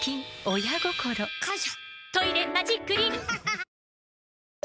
親心！感謝！